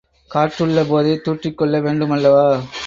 காற்றுள்ள போதே துாற்றிக் கொள்ள வேண்டுமல்லவா?